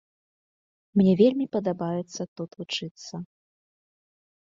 Мне вельмі падабаецца тут вучыцца.